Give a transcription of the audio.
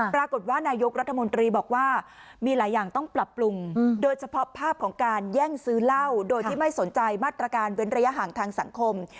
ปรากฏว่านายกรัฐมนตรีบอกว่ามีหลายอย่างต้องปรับปรุงโดยเฉพาะภาพของการแย่งซื้อเหล้าโดยที่ไม่สนใจมาตรการเว้นระยะห่างทางสังคม